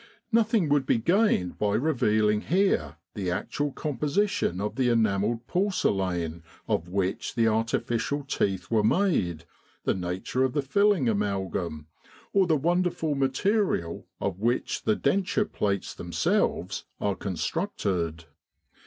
Nothing would be gained by revealing here the actual composition of the enamelled porcelain of which the artificial teeth are made, the nature of the filling amalgam, or the wonderful material of which the denture plates them selves are constructed.